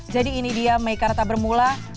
jadi ini dia meikarta bermula